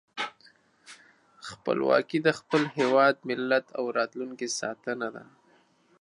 خپلواکي د خپل هېواد، ملت او راتلونکي ساتنه ده.